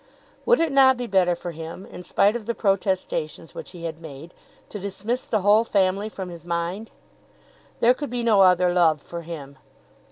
Would it not be better for him, in spite of the protestations which he had made, to dismiss the whole family from his mind? There could be no other love for him.